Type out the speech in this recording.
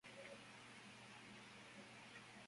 It's Stacy London!